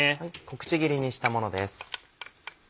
小口切りにしたものです。